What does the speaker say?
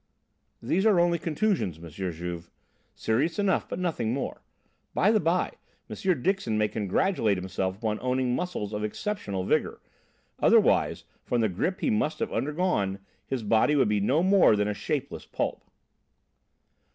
"These are only contusions, M. Juve. Serious enough, but nothing more. By the by, M. Dixon may congratulate himself upon owning muscles of exceptional vigour. Otherwise, from the grip he must have undergone, his body would be no more than a shapeless pulp."